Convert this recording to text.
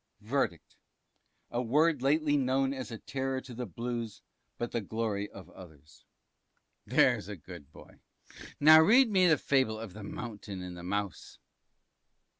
Verdict. A word lately known as a Terror to the Blues, but the Glory of others. T. There's a good boy, now read me the Fable of the Mountain and the Mouse. P. (_Reading.